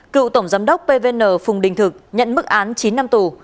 cựu tổng giám đốc pvn phùng đình thực nhận mức án chín năm tù